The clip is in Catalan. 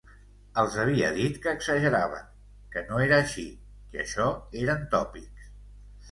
Els havia dit que exageraven, que no era així, que això eren tòpics...